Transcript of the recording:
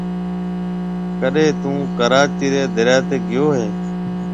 ڪڏي ٿُون ڪراچِي ريَ دريا تي گيو هيَ۔